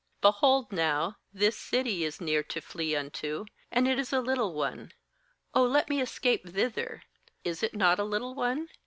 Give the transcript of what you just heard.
20Behold now, this city is near to flee unto, and it is a little one; oh, let me escape thither — is it not a little one?